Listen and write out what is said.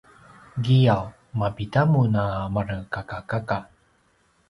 giyaw: mapida mun a marekakakaka?